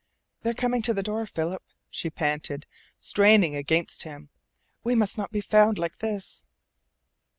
"They are coming to the door, Philip," she panted, straining against him. "We must not be found like this!"